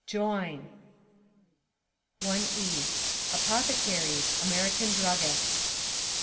Join ! IE. (Apothecaries) American Druggists.